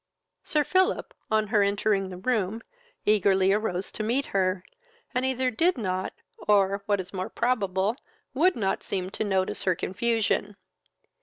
Sir Philip, on her entering the room, eagerly arose to meet her, and either did not, or, what is more probable, would not seem to notice her confusion.